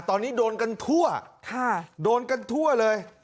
ตอนนี้โดนกันทั่วโดนกันทั่วเลย